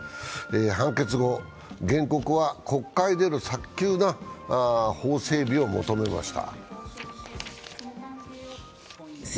判決後、原告は国会での早急な法整備を求めました。